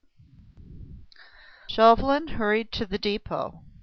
V Chauvelin hurried to the depot.